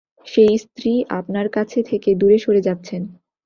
সেই স্ত্রী আপনার কাছে থেকে দূরে সরে যাচ্ছেন।